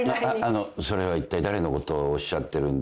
あのそれはいったい誰のことをおっしゃってるんですか？